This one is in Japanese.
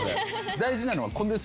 大事なのはこれです。